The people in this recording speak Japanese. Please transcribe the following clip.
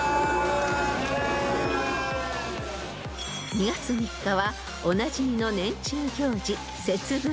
［２月３日はおなじみの年中行事］